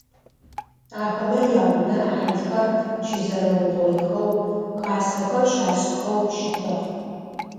Ахэмэ яунэ ӏахьылхэр щызэрэугъоихэу хасэхэр щашӏыхэу щытыгъ.